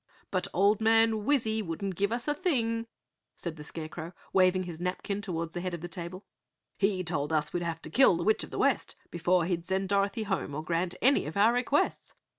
"But Old Man Wizzy wouldn't give us a thing!" said the Scarecrow, waving his napkin toward the head of the table. "He told us we'd have to kill the Witch of the West before he'd send Dorothy home or grant any of our requests."